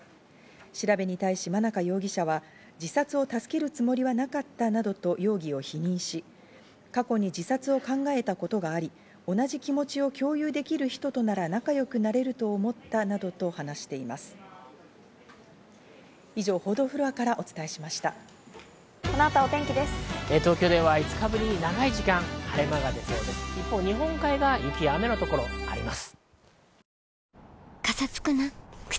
調べに対し間中容疑者は自殺を助けるつもりはなかったなどと容疑を否認し、過去に自殺を考えた事があり、同じ気持ちを共有できる人となら仲良くなれると思ったなどと話しています。